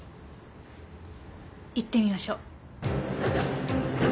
行ってみましょう。